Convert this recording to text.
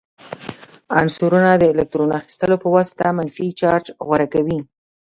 عنصرونه د الکترون اخیستلو په واسطه منفي چارج غوره کوي.